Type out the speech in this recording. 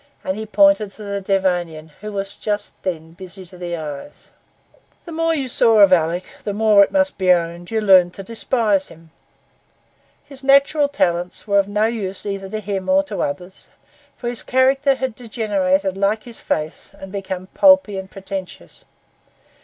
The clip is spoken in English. And he pointed to the Devonian, who was just then busy to the eyes. The more you saw of Alick, the more, it must be owned, you learned to despise him. His natural talents were of no use either to himself or others; for his character had degenerated like his face, and become pulpy and pretentious.